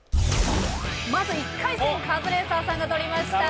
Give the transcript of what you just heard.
まず１回戦カズレーザーさんが取りました。